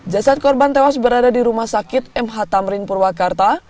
jasad korban tewas berada di rumah sakit mh tamrin purwakarta